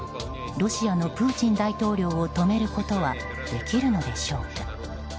ロシアのプーチン大統領を止めることはできるのでしょうか。